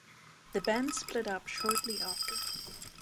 The band split up shortly after.